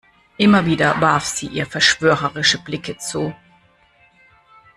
Immer wieder warf sie ihr verschwörerische Blicke zu.